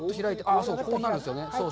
こうなるんですよね。